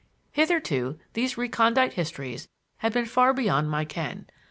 Hitherto, these recondite histories had been far beyond my ken.